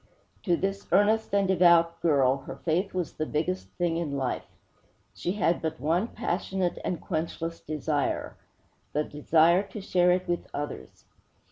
To this earnest and devout girl, her faith was the biggest thing in life. She had but one passionate and quenchless desire: the desire to share it with others.